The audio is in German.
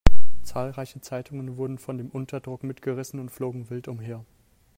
Zahlreiche Zeitungen wurden von dem Unterdruck mitgerissen und flogen wild umher.